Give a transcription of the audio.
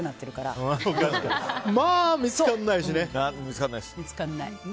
まあ、見つからないしね。